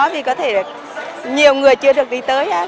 vì có thể nhiều người chưa được đi tới